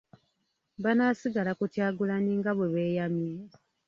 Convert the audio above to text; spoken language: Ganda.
Banaasigala ku Kyagulanyi nga bwe beeyamye?